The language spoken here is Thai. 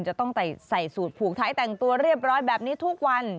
จะต้องใส่สูตรผูกท้ายแต่งตัวเรียบร้อยแบบนี้ทุกวัน